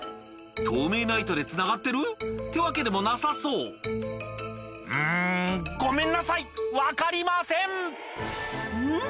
透明な糸でつながってる？ってわけでもなさそううんごめんなさい分かりませんうん？